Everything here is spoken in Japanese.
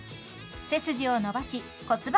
背筋を伸ばし骨盤